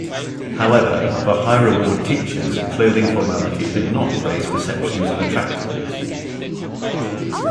However, for high-reward teachers, clothing formality did not raise perceptions of attractiveness.